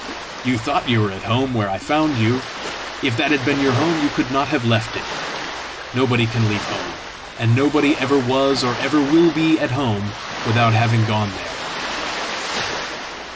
You thought you were at home where I found you: if that had been your home, you could not have left it. Nobody can leave home. And nobody ever was or ever will be at home without having gone there."